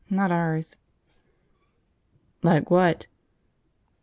Not ours." "Like what?"